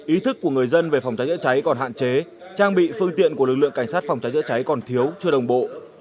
ý thức của người dân về phòng cháy chữa cháy còn hạn chế trang bị phương tiện của lực lượng cảnh sát phòng cháy chữa cháy còn thiếu chưa đồng bộ